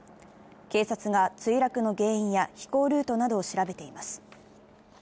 警察が墜落の原因や飛行ルートなどを調べています。